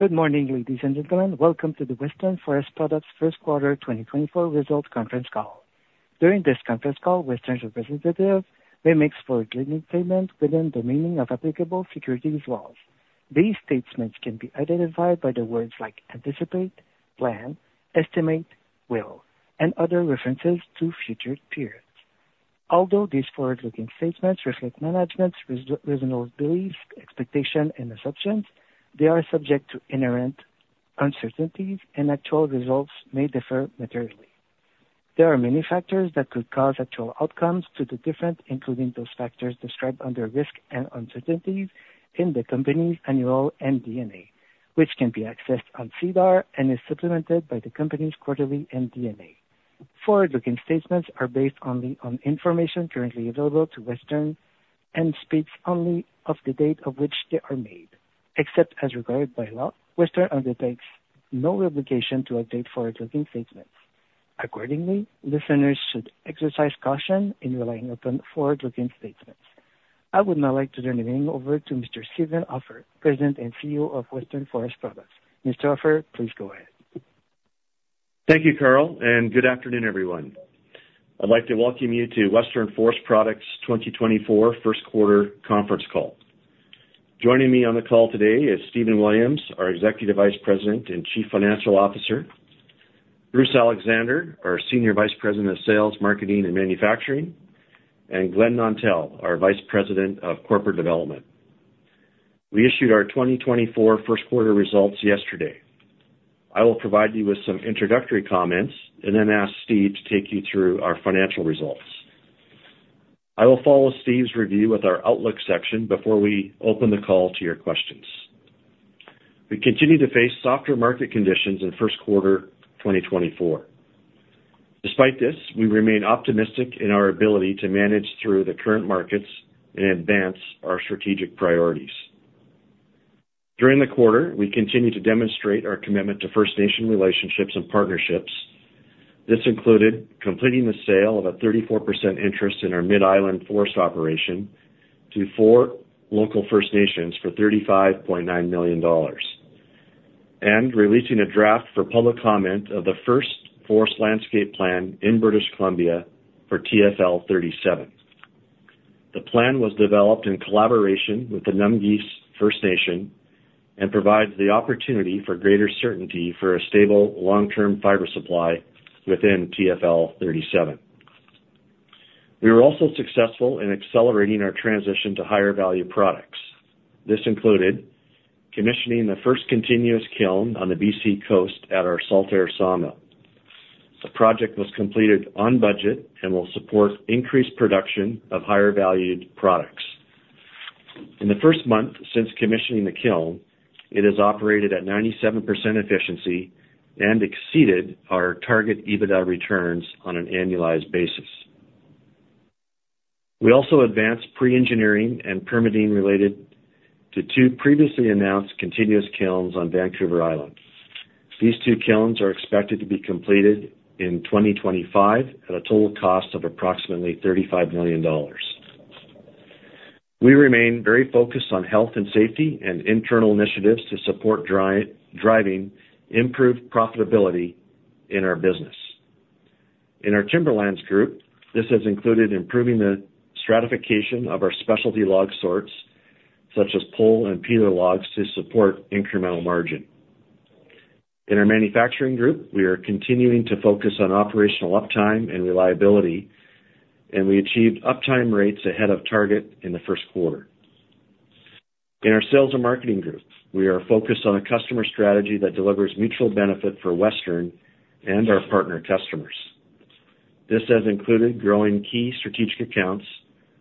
Good morning, ladies and gentlemen. Welcome to the Western Forest Products first quarter 2024 results conference call. During this conference call, Western's representatives may make forward-looking statements within the meaning of applicable securities laws. These statements can be identified by the words like anticipate, plan, estimate, will, and other references to future periods. Although these forward-looking statements reflect management's reasonable beliefs, expectations, and assumptions, they are subject to inherent uncertainties, and actual results may differ materially. There are many factors that could cause actual outcomes to be different, including those factors described under risks and uncertainties in the company's annual MD&A, which can be accessed on SEDAR and is supplemented by the company's quarterly MD&A. Forward-looking statements are based only on information currently available to Western and speaks only of the date of which they are made. Except as required by law, Western undertakes no obligation to update forward-looking statements. Accordingly, listeners should exercise caution in relying upon forward-looking statements. I would now like to turn the meeting over to Mr. Steven Hofer, President and CEO of Western Forest Products. Mr. Hofer, please go ahead. Thank you, Carl, and good afternoon, everyone. I'd like to welcome you to Western Forest Products' 2024 first quarter conference call. Joining me on the call today is Stephen Williams, our Executive Vice President and Chief Financial Officer, Bruce Alexander, our Senior Vice President of Sales, Marketing, and Manufacturing, and Glen Nontell, our Vice President of Corporate Development. We issued our 2024 first quarter results yesterday. I will provide you with some introductory comments and then ask Steve to take you through our financial results. I will follow Steve's review with our outlook section before we open the call to your questions. We continued to face softer market conditions in first quarter 2024. Despite this, we remain optimistic in our ability to manage through the current markets and advance our strategic priorities. During the quarter, we continued to demonstrate our commitment to First Nation relationships and partnerships. This included completing the sale of a 34% interest in our Mid-Island Forest Operation to four local First Nations for 35.9 million dollars, and releasing a draft for public comment of the first Forest Landscape Plan in British Columbia for TFL 37. The plan was developed in collaboration with the 'Namgis First Nation and provides the opportunity for greater certainty for a stable, long-term fiber supply within TFL 37. We were also successful in accelerating our transition to higher-value products. This included commissioning the first continuous kiln on the BC coast at our Saltair Sawmill. The project was completed on budget and will support increased production of higher-valued products. In the first month since commissioning the kiln, it has operated at 97% efficiency and exceeded our target EBITDA returns on an annualized basis. We also advanced pre-engineering and permitting related to two previously announced continuous kilns on Vancouver Island. These two kilns are expected to be completed in 2025, at a total cost of approximately 35 million dollars. We remain very focused on health and safety and internal initiatives to support driving improved profitability in our business. In our Timberlands group, this has included improving the stratification of our specialty log sorts, such as pole and peeler logs, to support incremental margin. In our manufacturing group, we are continuing to focus on operational uptime and reliability, and we achieved uptime rates ahead of target in the first quarter. In our sales and marketing group, we are focused on a customer strategy that delivers mutual benefit for Western and our partner customers. This has included growing key strategic accounts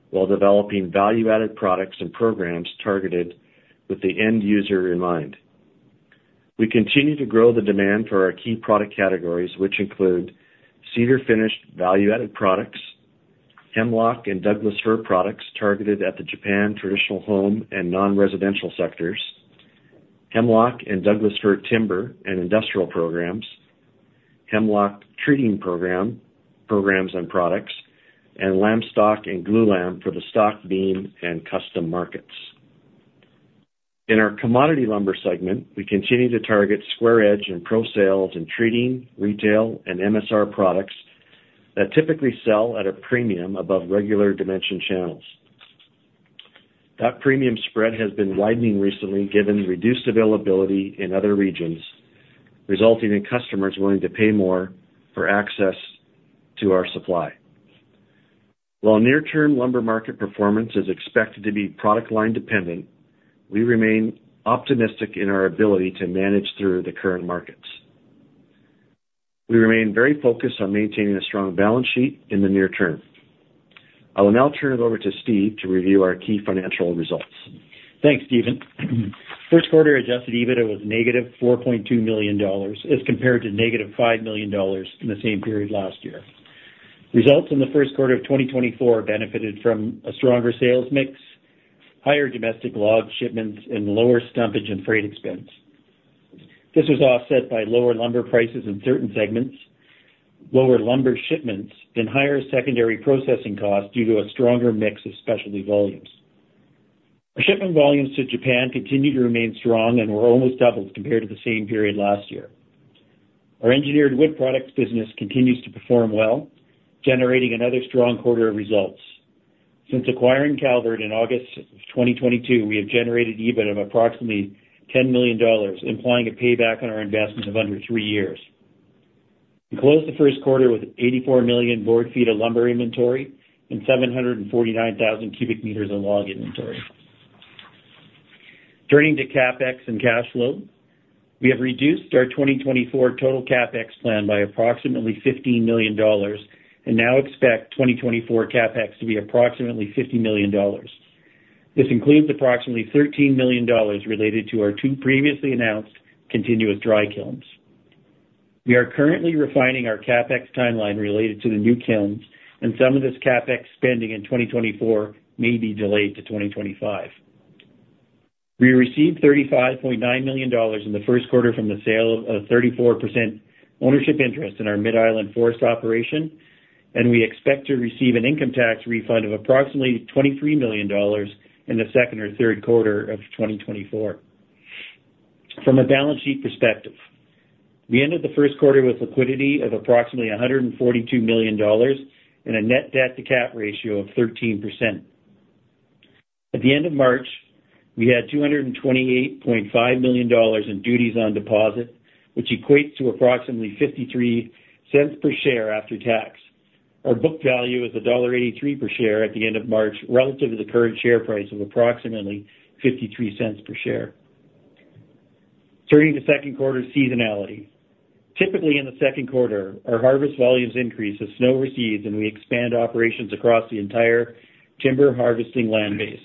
while developing value-added products and programs targeted with the end user in mind. We continue to grow the demand for our key product categories, which include Cedar finished value-added products, Hemlock and Douglas fir products targeted at the Japan traditional home and non-residential sectors, Hemlock and Douglas fir timber and industrial programs, Hemlock treating program, programs and products, and lam stock and glulam for the stock beam and custom markets. In our commodity lumber segment, we continue to target square edge and pro sales in treating, retail, and MSR products that typically sell at a premium above regular dimension channels. That premium spread has been widening recently, given reduced availability in other regions, resulting in customers willing to pay more for access to our supply. While near-term lumber market performance is expected to be product line dependent, we remain optimistic in our ability to manage through the current markets. We remain very focused on maintaining a strong balance sheet in the near term. I will now turn it over to Steve to review our key financial results. Thanks, Steven. First quarter adjusted EBITDA was negative 4.2 million dollars, as compared to negative 5 million dollars in the same period last year. Results in the first quarter of 2024 benefited from a stronger sales mix, higher domestic log shipments, and lower stumpage and freight expense. This was offset by lower lumber prices in certain segments, lower lumber shipments and higher secondary processing costs due to a stronger mix of specialty volumes. Our shipment volumes to Japan continued to remain strong and were almost doubled compared to the same period last year. Our engineered wood products business continues to perform well, generating another strong quarter of results. Since acquiring Calvert in August of 2022, we have generated EBIT of approximately 10 million dollars, implying a payback on our investment of under three years. We closed the first quarter with 84 million board feet of lumber inventory and 749,000 m³ of log inventory. Turning to CapEx and cash flow, we have reduced our 2024 total CapEx plan by approximately 15 million dollars and now expect 2024 CapEx to be approximately 50 million dollars. This includes approximately 13 million dollars related to our two previously announced continuous dry kilns. We are currently refining our CapEx timeline related to the new kilns, and some of this CapEx spending in 2024 may be delayed to 2025. We received 35.9 million dollars in the first quarter from the sale of a 34% ownership interest in our Mid-Island Forest Operation, and we expect to receive an income tax refund of approximately 23 million dollars in the second or third quarter of 2024. From a balance sheet perspective, we ended the first quarter with liquidity of approximately 142 million dollars and a net debt-to-cap ratio of 13%. At the end of March, we had 228.5 million dollars in duties on deposit, which equates to approximately 0.53 per share after tax. Our book value is dollar 1.83 per share at the end of March, relative to the current share price of approximately 0.53 per share. Turning to second quarter seasonality. Typically, in the second quarter, our harvest volumes increase as snow recedes, and we expand operations across the entire timber harvesting land base.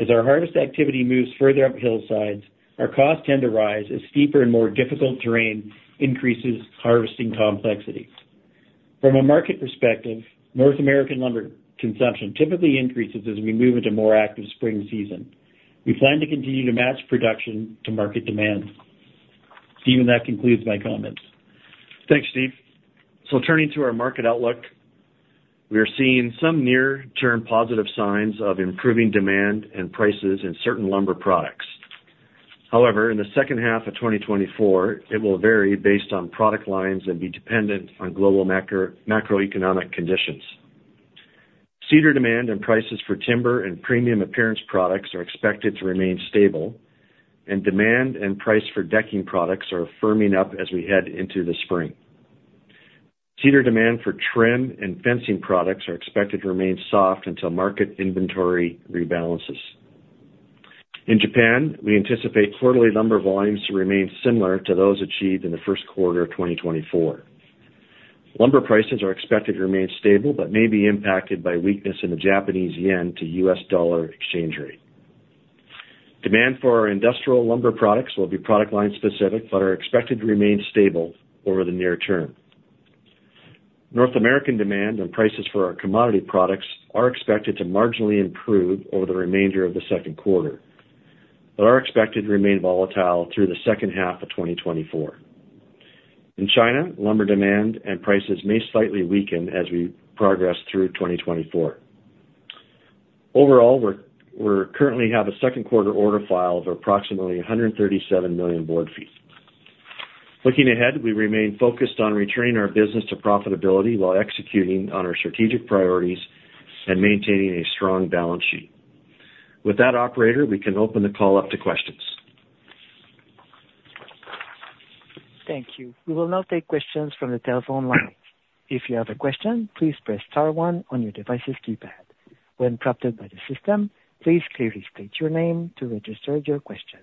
As our harvest activity moves further up hillsides, our costs tend to rise as steeper and more difficult terrain increases harvesting complexities. From a market perspective, North American lumber consumption typically increases as we move into more active spring season. We plan to continue to match production to market demand. Steven, that concludes my comments. Thanks, Steve. Turning to our market outlook, we are seeing some near-term positive signs of improving demand and prices in certain lumber products. However, in the second half of 2024, it will vary based on product lines and be dependent on global macro, macroeconomic conditions. Cedar demand and prices for timber and premium appearance products are expected to remain stable, and demand and price for decking products are firming up as we head into the spring. Cedar demand for trim and fencing products are expected to remain soft until market inventory rebalances. In Japan, we anticipate quarterly lumber volumes to remain similar to those achieved in the first quarter of 2024. Lumber prices are expected to remain stable, but may be impacted by weakness in the Japanese yen to U.S. dollar exchange rate. Demand for our industrial lumber products will be product line specific, but are expected to remain stable over the near term. North American demand and prices for our commodity products are expected to marginally improve over the remainder of the second quarter, but are expected to remain volatile through the second half of 2024. In China, lumber demand and prices may slightly weaken as we progress through 2024. Overall, we're currently have a second quarter order file of approximately 137 million board feet. Looking ahead, we remain focused on returning our business to profitability while executing on our strategic priorities and maintaining a strong balance sheet. With that, operator, we can open the call up to questions. Thank you. We will now take questions from the telephone line. If you have a question, please press star one on your device's keypad. When prompted by the system, please clearly state your name to register your question.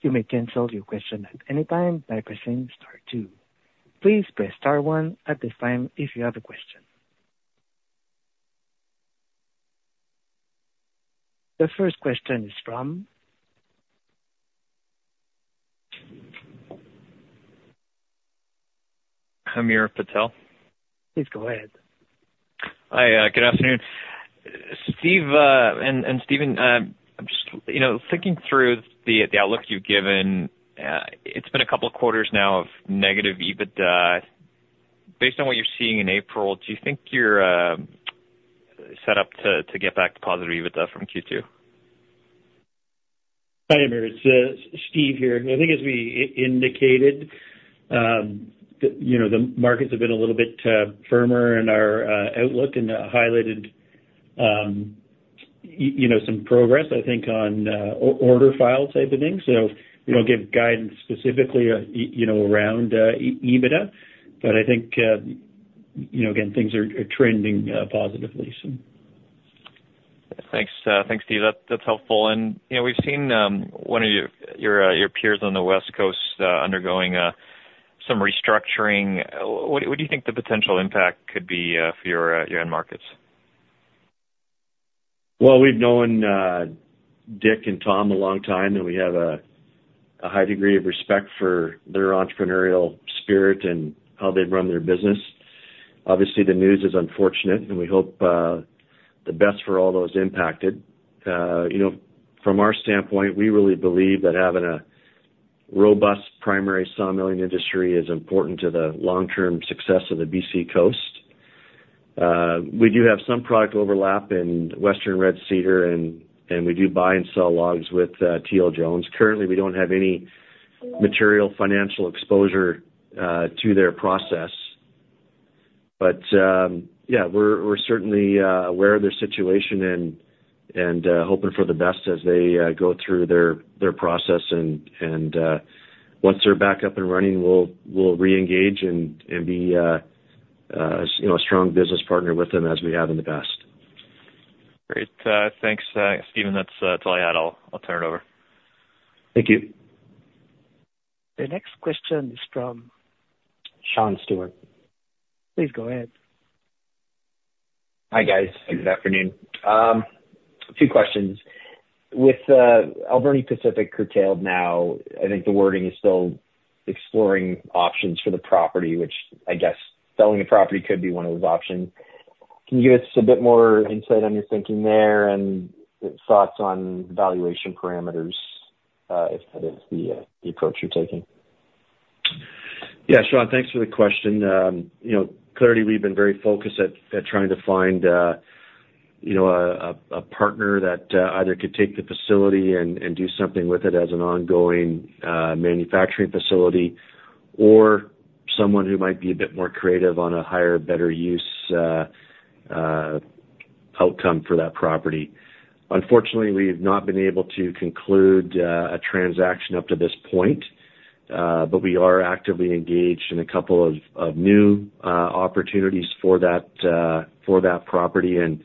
You may cancel your question at any time by pressing star two. Please press star one at this time if you have a question. The first question is from? Amir Patel. Please go ahead. Hi, good afternoon. Steve and Steven, I'm just, you know, thinking through the outlook you've given. It's been a couple of quarters now of negative EBITDA. Based on what you're seeing in April, do you think you're set up to get back to positive EBITDA from Q2? Hi, Amir, it's Steve here. I think as we indicated, that, you know, the markets have been a little bit firmer in our outlook and highlighted, you know, some progress, I think, on order file type of things. So we don't give guidance specifically, you know, around EBITDA, but I think, you know, again, things are trending positively so. Thanks, thanks, Steve. That's, that's helpful. You know, we've seen one of your, your, your peers on the West Coast undergoing some restructuring. What, what do you think the potential impact could be for your, your end markets? Well, we've known Dick and Tom a long time, and we have a high degree of respect for their entrepreneurial spirit and how they've run their business. Obviously, the news is unfortunate, and we hope the best for all those impacted. You know, from our standpoint, we really believe that having robust primary sawmilling industry is important to the long-term success of the BC coast. We do have some product overlap in Western Red Cedar, and we do buy and sell logs with Teal Jones. Currently, we don't have any material financial exposure to their process. But yeah, we're certainly aware of their situation and hoping for the best as they go through their process. Once they're back up and running, we'll reengage and be, you know, a strong business partner with them as we have in the past. Great. Thanks, Steven. That's, that's all I had. I'll, I'll turn it over. Thank you. The next question is from- Sean Steuart. Please go ahead. Hi, guys. Good afternoon. Two questions: With Alberni Pacific curtailed now, I think the wording is still exploring options for the property, which I guess selling the property could be one of those options. Can you give us a bit more insight on your thinking there, and thoughts on the valuation parameters, if that is the, the approach you're taking? Yeah, Sean, thanks for the question. You know, clearly, we've been very focused at trying to find you know, a partner that either could take the facility and do something with it as an ongoing manufacturing facility, or someone who might be a bit more creative on a higher, better use outcome for that property. Unfortunately, we've not been able to conclude a transaction up to this point, but we are actively engaged in a couple of new opportunities for that property. And,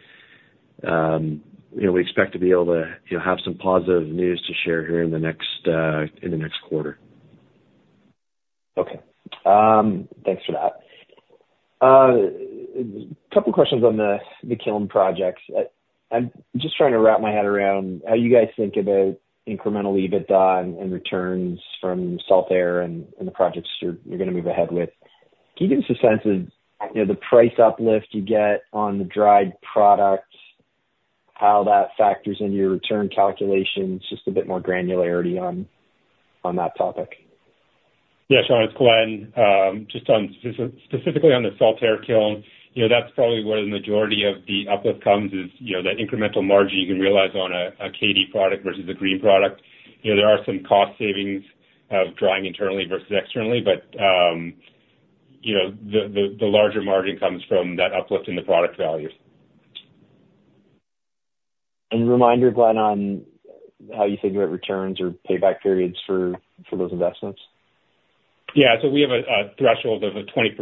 you know, we expect to be able to you know, have some positive news to share here in the next quarter. Okay. Thanks for that. A couple of questions on the kiln projects. I'm just trying to wrap my head around how you guys think about incremental EBITDA and returns from Saltair and the projects you're gonna move ahead with. Can you give us a sense of, you know, the price uplift you get on the dried product, how that factors into your return calculations? Just a bit more granularity on that topic. Yeah, Sean, it's Glen. Just on specifically on the Saltair kiln, you know, that's probably where the majority of the uplift comes is, you know, the incremental margin you can realize on a KD product versus a green product. You know, there are some cost savings of drying internally versus externally, but, you know, the larger margin comes from that uplift in the product value. Reminder, Glen, on how you think about returns or payback periods for those investments? Yeah, so we have a threshold of a 20%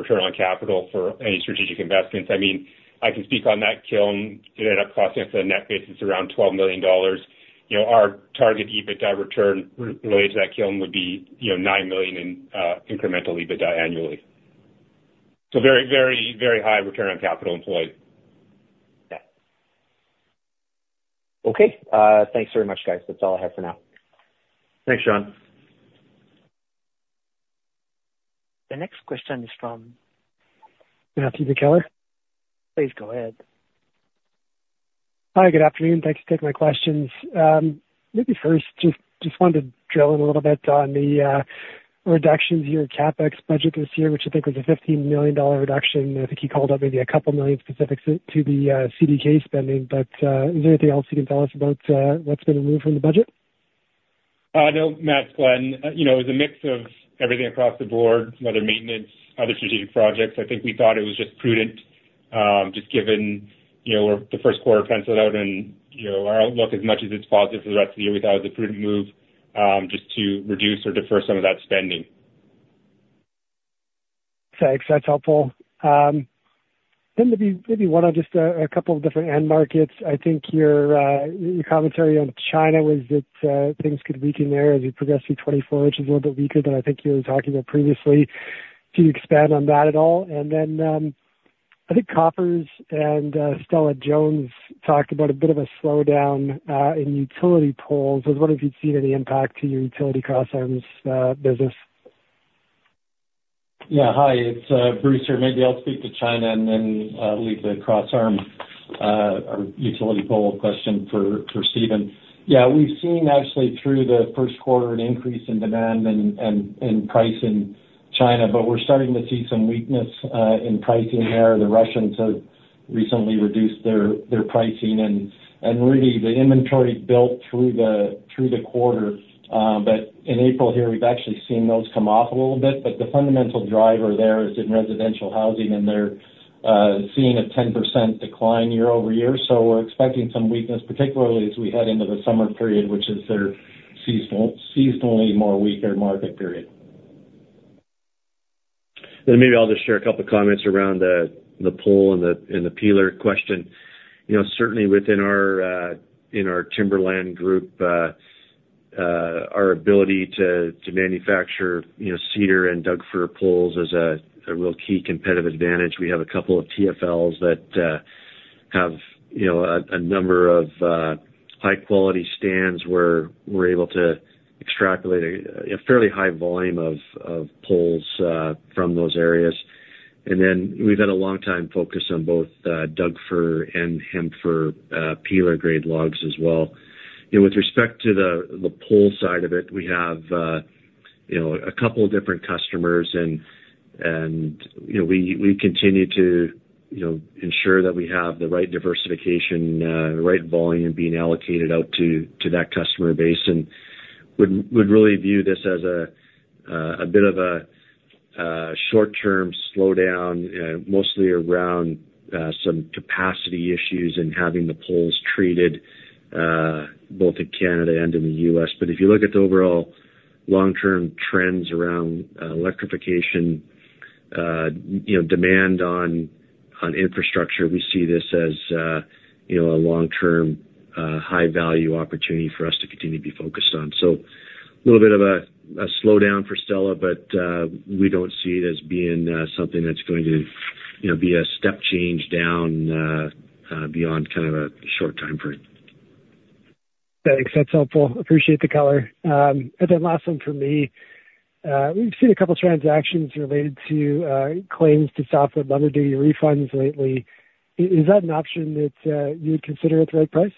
return on capital for any strategic investments. I mean, I can speak on that kiln. It ended up costing us, on a net basis, around 12 million dollars. You know, our target EBITDA return related to that kiln would be, you know, 9 million in incremental EBITDA annually. So very, very, very high return on capital employed. Yeah. Okay, thanks very much, guys. That's all I have for now. Thanks, Sean. The next question is from- Matthew McKellar. Please go ahead. Hi, good afternoon. Thanks for taking my questions. Maybe first, just wanted to drill in a little bit on the reductions in your CapEx budget this year, which I think was a 15 million dollar reduction. I think you called out maybe 2 million specific to the CDK spending, but is there anything else you can tell us about what's been removed from the budget? No, Matt, Glen. You know, it was a mix of everything across the board, other maintenance, other strategic projects. I think we thought it was just prudent, just given, you know, the first quarter penciled out and, you know, our outlook as much as it's positive for the rest of the year, we thought it was a prudent move, just to reduce or defer some of that spending. Thanks. That's helpful. Then maybe, maybe one on just a couple of different end markets. I think your commentary on China was that things could weaken there as we progress through 2024, which is a little bit weaker than I think you were talking about previously. Can you expand on that at all? And then, I think Koppers and Stella-Jones talked about a bit of a slowdown in utility poles. I was wondering if you'd seen any impact to your utility crossarms business. Yeah. Hi, it's Bruce here. Maybe I'll speak to China and then leave the crossarm or utility pole question for Steven. Yeah, we've seen actually through the first quarter, an increase in demand and price in China, but we're starting to see some weakness in pricing there. The Russians have recently reduced their pricing and really, the inventory built through the quarter. But in April here, we've actually seen those come off a little bit, but the fundamental driver there is in residential housing, and they're seeing a 10% decline year-over-year. So we're expecting some weakness, particularly as we head into the summer period, which is their seasonally more weaker market period. Then maybe I'll just share a couple comments around the pole and the peeler question. You know, certainly within our, in our Timberland Group, our ability to, to manufacture, you know, cedar and Doug fir poles is a, a real key competitive advantage. We have a couple of TFLs that, have, you know, a, a number of, high-quality stands, where we're able to extrapolate a, a fairly high volume of, of poles, from those areas.... And then we've had a long time focus on both, Doug-fir and Hem-fir, peeler grade logs as well. You know, with respect to the, the pole side of it, we have, you know, a couple of different customers and, and, you know, we, we continue to, you know, ensure that we have the right diversification, the right volume being allocated out to, to that customer base. And would really view this as a bit of a short-term slowdown, mostly around some capacity issues and having the poles treated, both in Canada and in the U.S. But if you look at the overall long-term trends around electrification, you know, demand on infrastructure, we see this as you know, a long-term high value opportunity for us to continue to be focused on. So a little bit of a slowdown for Stella-Jones, but we don't see it as being something that's going to you know, be a step change down beyond kind of a short time frame. Thanks. That's helpful. Appreciate the color. And then last one from me. We've seen a couple transactions related to claims to softwood lumber duty refunds lately. Is that an option that you would consider at the right price?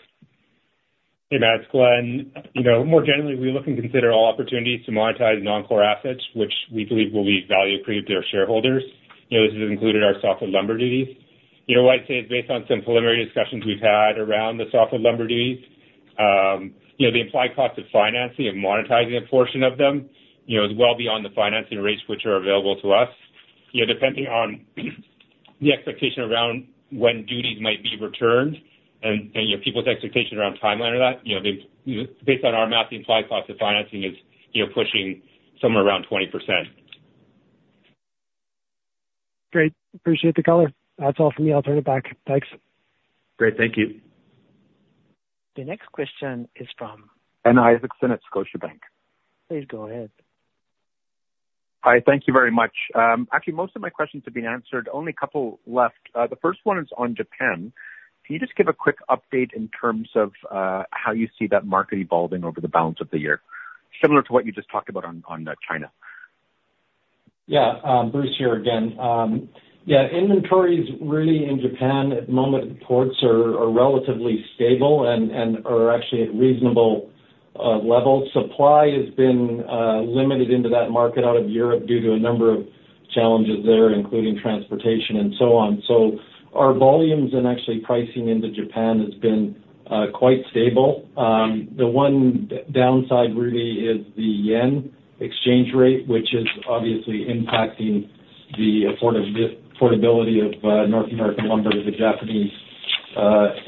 Hey, Matt, it's Glen. You know, more generally, we look and consider all opportunities to monetize non-core assets, which we believe will be value accretive to our shareholders. You know, this has included our softwood lumber duties. You know, what I'd say is, based on some preliminary discussions we've had around the softwood lumber duties, you know, the implied cost of financing and monetizing a portion of them, you know, is well beyond the financing rates, which are available to us. You know, depending on the expectation around when duties might be returned and, you know, people's expectations around timeline of that, you know, based on our math, the implied cost of financing is, you know, pushing somewhere around 20%. Great. Appreciate the color. That's all for me. I'll turn it back. Thanks. Great. Thank you. The next question is from- Ben Isaacson at Scotiabank. Please go ahead. Hi, thank you very much. Actually, most of my questions have been answered, only a couple left. The first one is on Japan. Can you just give a quick update in terms of how you see that market evolving over the balance of the year, similar to what you just talked about on China? Yeah, Bruce here again. Yeah, inventories really in Japan at the moment at the ports are relatively stable and are actually at reasonable levels. Supply has been limited into that market out of Europe due to a number of challenges there, including transportation and so on. So our volumes and actually pricing into Japan has been quite stable. The one downside really is the yen exchange rate, which is obviously impacting the affordability of North American lumber to the Japanese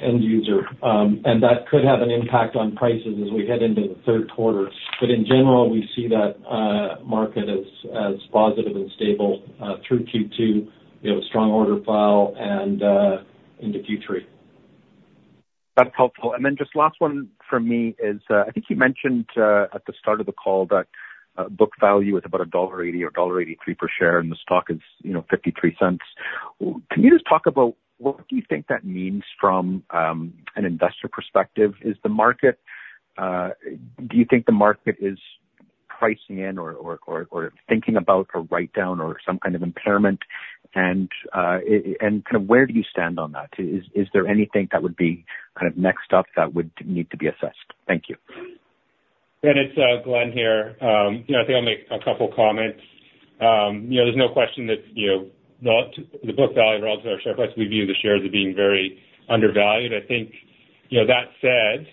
end user. And that could have an impact on prices as we head into the third quarter. But in general, we see that market as positive and stable through Q2, you know, strong order file and into Q3. That's helpful. Just last one from me is, I think you mentioned, at the start of the call that, book value is about dollar 1.80 or dollar 1.83 per share, and the stock is, you know, 0.53. Can you just talk about what do you think that means from, an investor perspective? Is the market. Do you think the market is pricing in or thinking about a write-down or some kind of impairment? And, and kind of where do you stand on that? Is there anything that would be kind of next up that would need to be assessed? Thank you. Ben, it's Glen here. You know, I think I'll make a couple comments. You know, there's no question that, you know, the, the book value relative to our share price, we view the shares as being very undervalued. I think, you know, that said,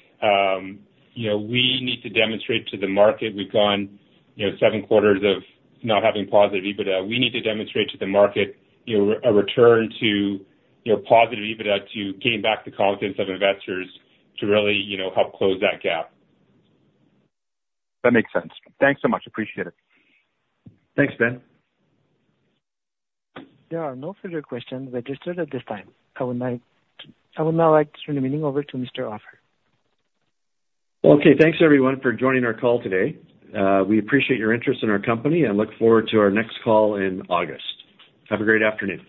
you know, we need to demonstrate to the market, we've gone, you know, seven quarters of not having positive EBITDA. We need to demonstrate to the market, you know, a return to, you know, positive EBITDA to gain back the confidence of investors to really, you know, help close that gap. That makes sense. Thanks so much. Appreciate it. Thanks, Ben. There are no further questions registered at this time. I would now like to turn the meeting over to Mr. Hofer. Okay, thanks everyone for joining our call today. We appreciate your interest in our company and look forward to our next call in August. Have a great afternoon.